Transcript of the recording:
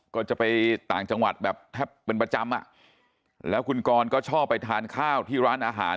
ก็จะไปต่างจังหวัดแบบแทบเป็นประจำอ่ะแล้วคุณกรก็ชอบไปทานข้าวที่ร้านอาหาร